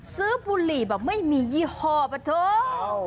ซื้อบุหรี่แบบไม่มียี่ห่อป่ะเถอะ